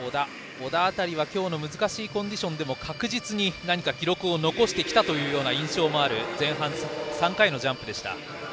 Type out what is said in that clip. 小田辺りは今日の難しいコンディションでも確実に記録を残してきたという印象もある前半の３回のジャンプでした。